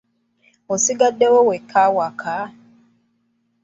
Osigaddewo wekka awaka?